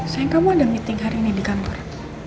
sayang kamu ada meeting hari ini di kantor